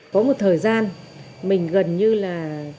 có một thời gian mình gần như là